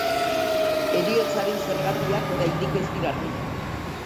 Heriotzaren zergatiak oraindik ez dira argitu.